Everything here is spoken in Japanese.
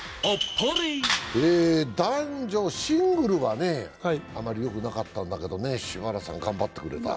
男女シングルはあまりよくなかったんだけどね、柴原さん頑張ってくれた。